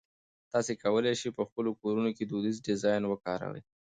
تاسي کولای شئ په خپلو کورونو کې دودیزه ډیزاین وکاروئ.